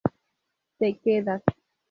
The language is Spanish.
Te quedas.